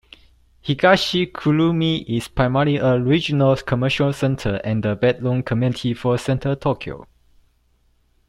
Higashikurume is primary a regional commercial center, and a bedroom community for central Tokyo.